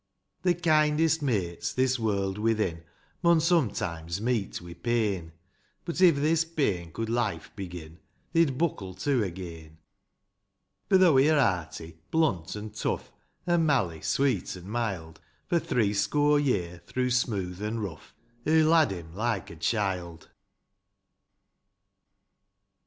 The kindest mates, this world within, Mun sometimes meet wi' pain j But, iv this pain could Hfe begin, They'd buckle to again ; For, though he're hearty, blunt, an' tough. An' Mally sweet an' mild. For three score year^ through smooth an' rough, Hoo lad him like a child.